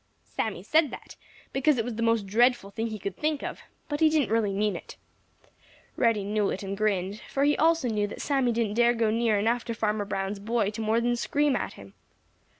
Sammy said that because it was the most dreadful thing he could think of, but he didn't really mean it. Reddy knew it and grinned, for he also knew that Sammy didn't dare go near enough to Farmer Brown's boy to more than scream at him.